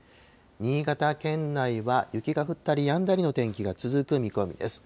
新潟県内は雪が降ったりやんだりの天気が続く見込みです。